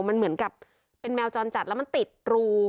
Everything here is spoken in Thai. มันเหมือนกับเป็นแมวจรจัดแล้วมันติดรู